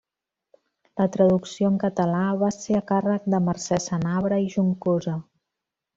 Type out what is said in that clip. La traducció en català va ser a càrrec de Mercè Senabre i Juncosa.